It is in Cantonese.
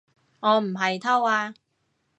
我唔係偷啊